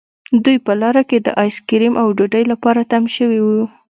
دوی په لاره کې د آیس کریم او ډوډۍ لپاره تم شوي وو